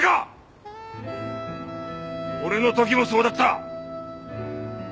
俺の時もそうだった。